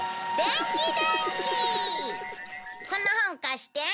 その本貸して。